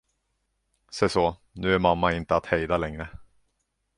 Seså, nu är mamma inte att hejda längre.